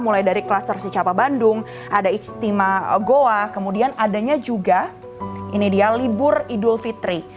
mulai dari kluster sicapa bandung ada ijtima goa kemudian adanya juga ini dia libur idul fitri